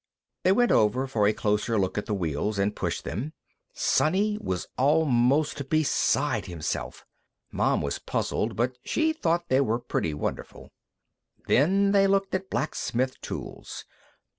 They went over for a closer look at the wheels, and pushed them. Sonny was almost beside himself. Mom was puzzled, but she thought they were pretty wonderful. Then they looked at blacksmith tools.